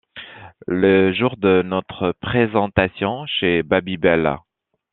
Le jour de notre présentation chez Babybel.